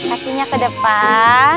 akhirnya ke depan